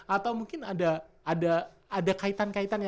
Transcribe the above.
atau mungkin ada kaitan kaitan ya